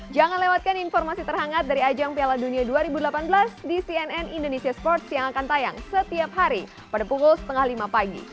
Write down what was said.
jangan lewatkan informasi terhangat dari ajang piala dunia dua ribu delapan belas di cnn indonesia sports yang akan tayang setiap hari pada pukul setengah lima pagi